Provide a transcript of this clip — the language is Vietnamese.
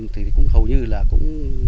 thì hầu như là cũng